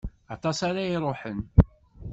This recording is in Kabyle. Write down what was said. Aṭas ara d-iṛuḥen.